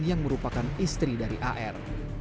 yang merupakan istri dari ar